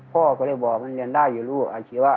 พ่อก็เลยบอกมันเรียนได้อยู่ลูกอาชีวะ